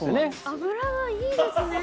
油がいいですね。